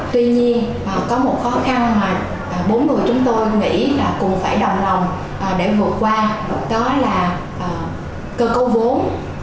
tuy nhiên có một khó khăn mà bốn người chúng tôi nghĩ là cùng phải đồng lòng để vượt qua đó là cơ cấu vốn